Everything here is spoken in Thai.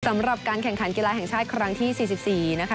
สำหรับการแข่งขันกีฬาแห่งชาติครั้งที่๔๔นะคะ